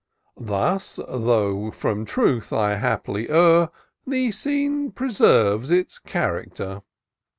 Thus, though from truth I haply err, The scene preserves its character.